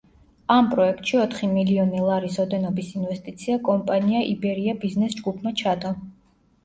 ამ პროექტში ოთხი მილიონი ლარის ოდენობის ინვესტიცია კომპანია „იბერია ბიზნეს ჯგუფმა“ ჩადო.